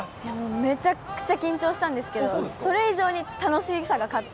めちゃくちゃ緊張したんですけれども、それ以上に楽しさが勝って。